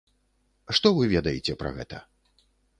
Што вы ведаеце пра гэта?